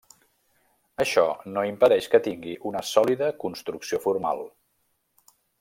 Això no impedeix que tingui una sòlida construcció formal.